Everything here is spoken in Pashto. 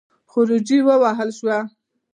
خروجی ووهه شو.